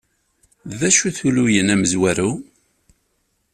D acu-t ulugen amezwaru?